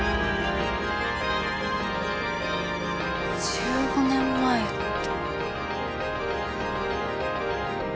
１５年前って。